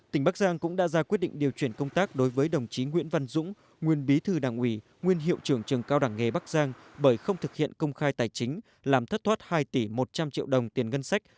tỉnh bắc giang cũng đã ra quyết định điều chuyển công tác đối với đồng chí nguyễn văn dũng nguyên bí thư đảng ủy nguyên hiệu trưởng trường cao đẳng nghề bắc giang bởi không thực hiện công khai tài chính làm thất thoát hai tỷ một trăm linh triệu đồng tiền ngân sách